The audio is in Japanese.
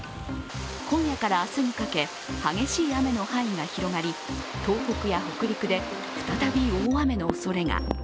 今夜から明日にかけ激しい雨の範囲が広がり東北や北陸で再び大雨のおそれが。